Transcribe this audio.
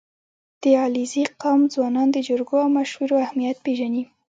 • د علیزي قوم ځوانان د جرګو او مشورو اهمیت پېژني.